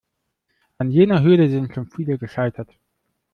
An jener Hürde sind schon viele gescheitert.